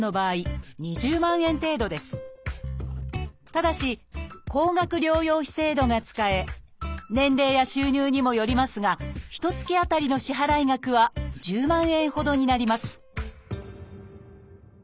ただし高額療養費制度が使え年齢や収入にもよりますがひとつき当たりの支払い額は１０万円ほどになります